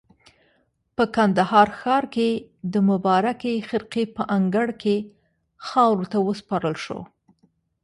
په کندهار ښار کې د مبارکې خرقې په انګړ کې خاورو ته وسپارل شو.